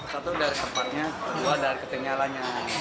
satu dari tempatnya dua dari ketinggalannya